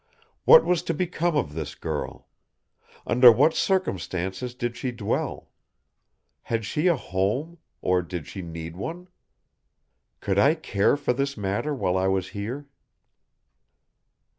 What was to become of this girl? Under what circumstances did she dwell? Had she a home, or did she need one? Could I care for this matter while I was here?